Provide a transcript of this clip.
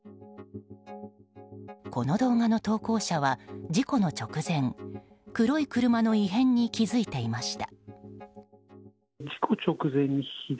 この動画の投稿者は、事故の直前黒い車の異変に気づいていました。